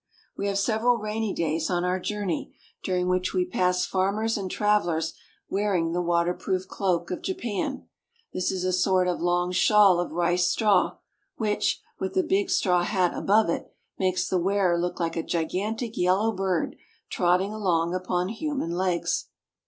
We have several rainy days on our journey, dur ing which we pass farm ers and travelers wearing the waterproof cloak of Japan. This is a sort of long shawl of rice straw, which, with the big straw hat above it, makes the wearer look like a gigantic yellow bird trotting along upon human legs.